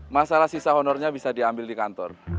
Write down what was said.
masalah sisa honornya bisa diambil di kantor